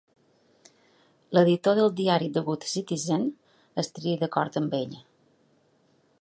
L'editor del diari "The Good Citizen" estaria d'acord amb ell.